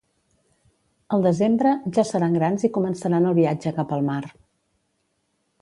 Al desembre, ja seran grans i començaran el viatge cap al mar.